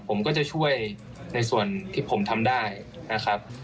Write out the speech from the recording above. ผมก็จะช่วยในส่วนที่ผมทำได้นะครับ